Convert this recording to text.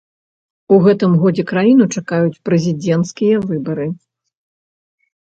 У гэтым годзе краіну чакаюць прэзідэнцкія выбары.